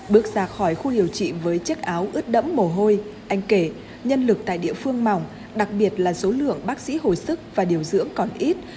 bước ra khỏi khu điều trị với chất áo ướt đẫm mồ hôi anh kể nhân lực tại địa phương mỏng đặc biệt là số lượng bác sĩ hồi sức và điều dưỡng còn ít